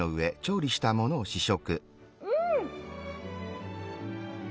うん！